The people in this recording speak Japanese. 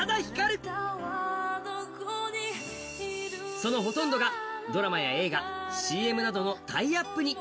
そのほとんどがドラマや映画、ＣＭなどのタイアップに。